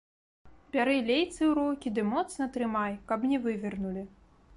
Бяры лейцы ў рукі ды моцна трымай, каб не вывернулі!